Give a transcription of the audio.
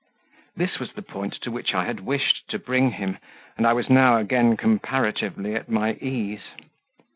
This was the point to which I had wished to bring him, and I was now again comparatively at my ease.